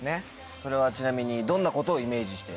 それはちなみにどんなことをイメージして？